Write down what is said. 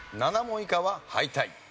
７問以下は敗退。